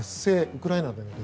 ウクライナでの。